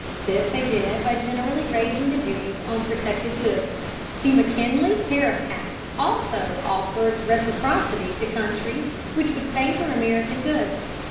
This they did by generally raising the duties on protected goods. The McKinley Tariff Act also offered reciprocity to countries which would favor American goods.